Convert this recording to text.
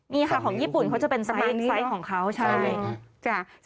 นี่ค่ะของญี่ปุ่นเขาจะเป็นของเขาใช่ใช่